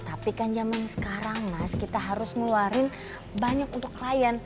tapi kan zaman sekarang mas kita harus ngeluarin banyak untuk klien